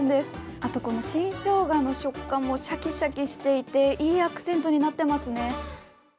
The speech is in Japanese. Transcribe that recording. あと、新生姜の食感もシャキシャキしていていいアクセントになっていますね。